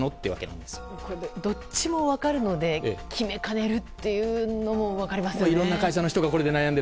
どっちも分かるので決めかねるというのもわかります。